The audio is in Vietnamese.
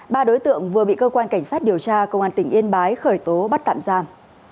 ba đối tượng vừa bị cơ quan cảnh sát điều tra công an tỉnh yên bái khởi tố bắt tạm giam